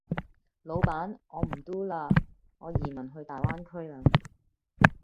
老闆我唔 Do 啦，我移民去大灣區啦